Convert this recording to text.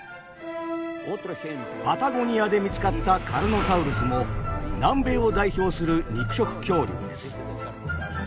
パタゴニアで見つかったカルノタウルスも南米を代表する肉食恐竜です。